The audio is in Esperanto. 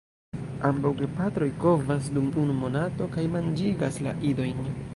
Ambaŭ gepatroj kovas dum unu monato kaj manĝigas la idojn.